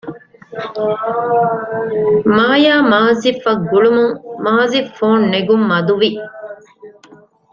މާޔާ މާޒިފް އަށް ގުޅުމުން މާޒިފް ފޯނު ނެގުން މަދު ވި